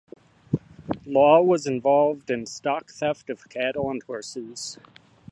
Law was involved in stock theft of cattle and horses.